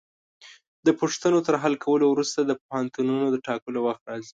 د پوښتنو تر حل کولو وروسته د پوهنتونونو د ټاکلو وخت راځي.